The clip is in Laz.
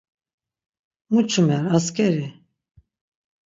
Mu çumer askeri?